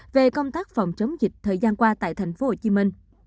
về công tác phòng chống dịch thời gian qua tại thành phố hồ chí minh